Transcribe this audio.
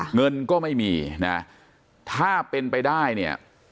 เงินก็ไม่มีถ้าเป็นไปได้